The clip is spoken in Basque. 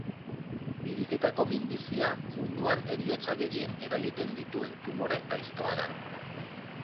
Biriketako minbizia munduan heriotza gehien eragiten dituen tumore gaiztoa da.